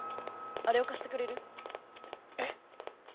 あれをかしてくれる？え？